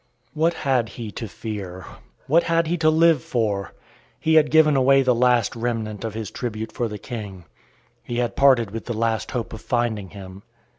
What had he to fear? What had he to live for? He had given away the last remnant of his tribute for the King. He had parted with the last hope of finding Him.